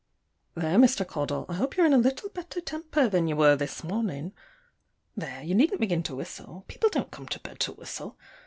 _ There, Mr. Caudle, I hope you're in a little better temper than you were this morning. There, you needn't begin to whistle: people don't come to bed to whistle.